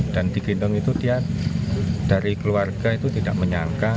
dan digendong itu dia dari keluarga itu tidak menyangka